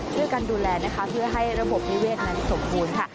ช่วยกันดูแลนะคะเพื่อให้ระบบนิเวศนั้นสมบูรณ์ค่ะ